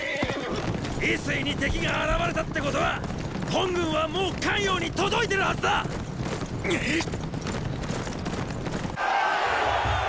渭水に敵が現れたってことは本軍はもう咸陽に届いてるはずだ！っ！